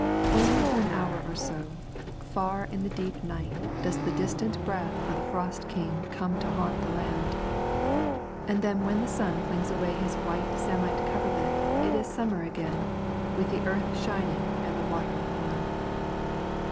Only for an hour or so, far in the deep night does the distant breath of the Frost King come to haunt the land, and then when the sun flings away his white samite coverlid it is summer again, with the earth shining and the water warm.